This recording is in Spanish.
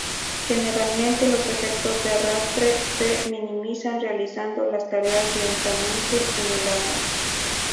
Generalmente, los efectos de arrastre se minimizan realizando las tareas lentamente en el agua.